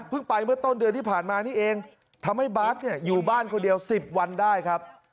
ไปเมื่อต้นเดือนที่ผ่านมานี่เองทำให้บาสเนี่ยอยู่บ้านคนเดียว๑๐วันได้ครับ